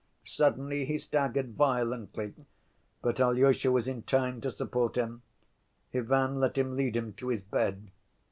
Suddenly he staggered violently; but Alyosha was in time to support him. Ivan let him lead him to his bed.